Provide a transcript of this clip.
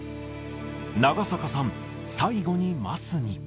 長坂さん、最後に桝に。